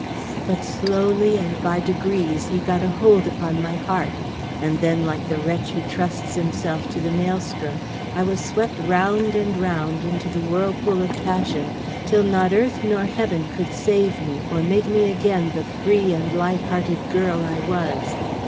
But slowly and by degrees he got a hold upon my heart, and then, like the wretch who trusts himself to the maelstrom, I was swept round and round into the whirlpool of passion till not earth nor heaven could save me or make me again the free and light hearted girl I was.